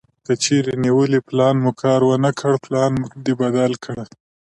کچېرې نیولی پلان مو کار ونه کړ پلان دې بدل کړه.